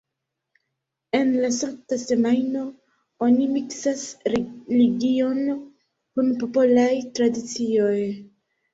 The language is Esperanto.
En la Sankta Semajno oni miksas religion kun popolaj tradicioj.